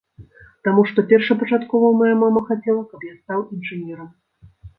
Таму што першапачаткова мая мама хацела, каб я стаў інжынерам.